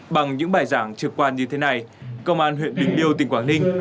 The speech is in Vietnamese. bằng những bài giảng trực quan như thế này công an huyện bình liêu tỉnh quảng ninh